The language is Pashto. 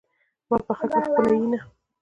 ما پخه کړه خپله ينه